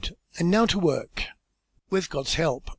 And now to work!" "With God's help!"